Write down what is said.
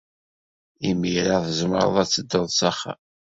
Imir-a tzemreḍ ad tedduḍ s axxam.